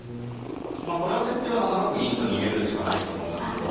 これは先手は７六銀と逃げるしかないと思いますけど。